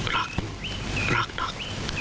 รักรักตัก